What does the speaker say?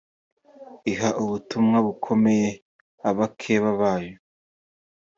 iha ubutumwa bukomeye abakeba bayo